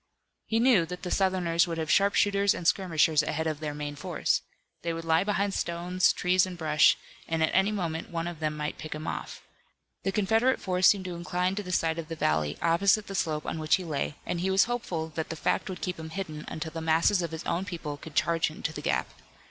He knew that the Southerners would have sharpshooters and skirmishers ahead of their main force. They would lie behind stones, trees and brush and at any moment one of them might pick him off. The Confederate force seemed to incline to the side of the valley, opposite the slope on which he lay, and he was hopeful that the fact would keep him hidden until the masses of his own people could charge into the gap.